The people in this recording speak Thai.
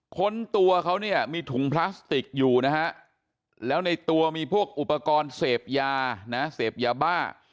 ค้นตัวเขาเนี่ยมีถุงพลาสติกอยู่นะฮะแล้วในตัวมีพวกอุปกรณ์เสพยานะเสพยาบ้า